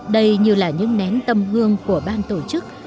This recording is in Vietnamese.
đây như là những nén tâm hương của ban tổ chức